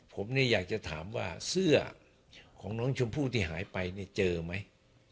ผมเนี่ยอยากจะถามว่าเสื้อของน้องชมพู่ที่หายไปเนี่ยเจอไหม